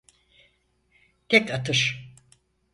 Tek atış.